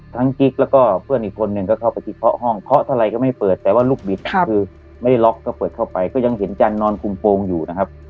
กิ๊กแล้วก็เพื่อนอีกคนนึงก็เข้าไปที่เคาะห้องเคาะเท่าไรก็ไม่เปิดแต่ว่าลูกบิดคือไม่ได้ล็อกก็เปิดเข้าไปก็ยังเห็นจันนอนคุมโพงอยู่นะครับ